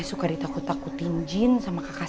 suka ditakut takutin jin sama kakak saya